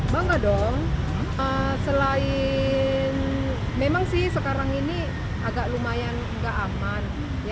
bangga dong selain memang sih sekarang ini agak lumayan nggak aman